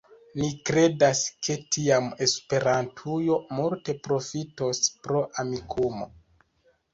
Ni kredas, ke tiam Esperantujo multe profitos pro Amikumu.